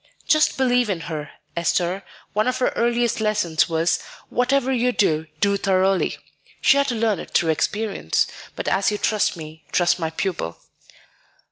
"Just believe in her, Esther; one of her earliest lessons was 'Whatever you do, do thoroughly.' She had to learn it through experience. But as you trust me, trust my pupil."